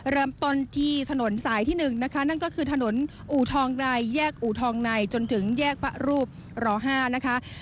เริ่มต้นที่ถนนสายที่๑นะคะนั่นก็คือถนนอูทองใดแยกอูทองในจนถึงแยกพระรูปร๕นะคะ